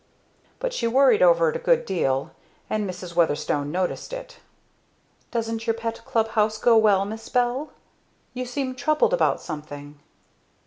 But she worried over it a good deal, and Mrs. Weatherstone noticed it. "Doesn't your pet club house go well, 'Miss Bell?' You seem troubled about something."